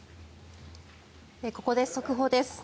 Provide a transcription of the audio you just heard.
ここで速報です。